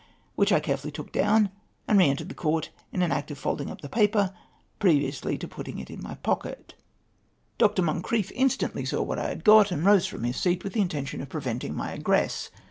which I carefidly took down, and reentered the Court in the act of foldmg up the paper, previously to putting it in my pocket. Dr. MoncriefF instantly saw what I had got, and rose fi'om his seat with the intention of preventing my eo ress.